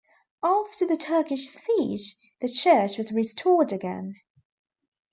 After the Turkish siege, the church was restored again.